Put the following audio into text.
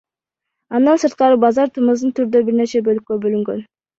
Андан сырткары базар тымызын түрдө бир нече бөлүккө бөлүнгөн.